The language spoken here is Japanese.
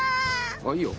あっいいよ。